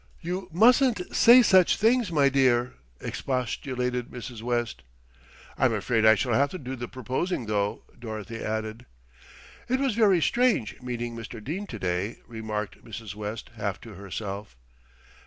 "You mustn't say such things, my dear," expostulated Mrs. West. "I'm afraid I shall have to do the proposing though," Dorothy added. "It was very strange, meeting Mr. Dene to day," remarked Mrs. West half to herself.